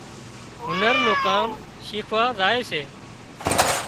هنر نُون ڪام شيکوا زائي سي